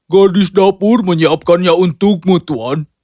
godus dapur menyiapkannya untukmu tuan